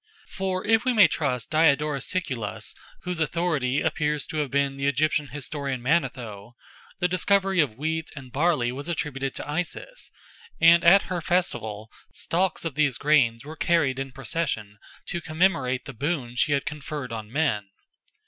For if we may trust Diodorus Siculus, whose authority appears to have been the Egyptian historian Manetho, the discovery of wheat and barley was attributed to Isis, and at her festivals stalks of these grains were carried in procession to commemorate the boon she had conferred on men.